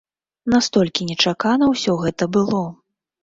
Настолькі нечакана ўсё гэта было.